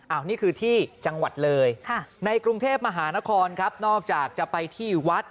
อันนี้คือที่จังหวัดเลยในกรุงเทพมหานครครับนอกจากจะไปที่วัด